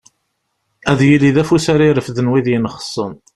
Ad yili d afus ara irefden wid yenxessen.